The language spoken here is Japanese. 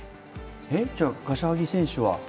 えっ、じゃあ、柏木選手は？